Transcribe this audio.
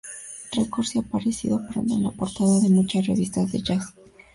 Records y apareciendo pronto en la portada de muchas revistas de jazz.